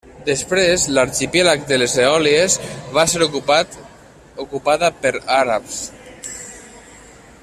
Després l'arxipèlag de les Eòlies va ser ocupat ocupada pels àrabs.